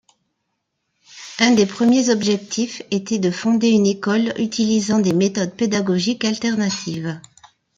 Un des premiers objectifs était de fonder une école utilisant des méthodes pédagogiques alternatives.